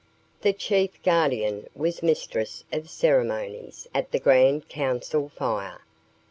The Chief Guardian was mistress of ceremonies at the Grand Council Fire.